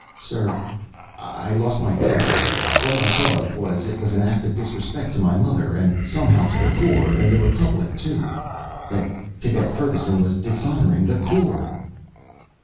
"Sir, I lost my temper. All I thought of was that it was an act of disrespect to my mother and somehow to the Corps and the Republic too that Cadet Ferguson was dishonoring the Corps."